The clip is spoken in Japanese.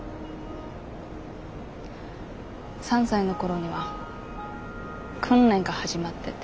３歳の頃には訓練が始まってて。